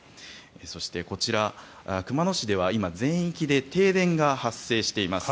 そして、こちら熊野市では今全域で停電が発生しています。